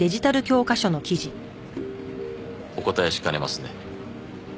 お答えしかねますね。